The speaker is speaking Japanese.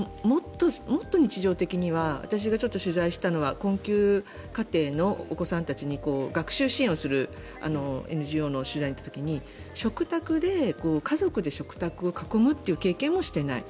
もっと日常的には私がちょっと取材したのは困窮家庭のお子さんたちに学習支援をするＮＧＯの取材に行った時に家族で食卓を囲むという経験をしていない。